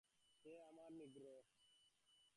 সে আমার নিগ্রো।